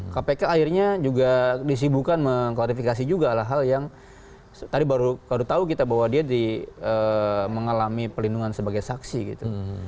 kpk akhirnya juga disibukan mengklarifikasi juga lah hal yang tadi baru tahu kita bahwa dia mengalami pelindungan sebagai saksi gitu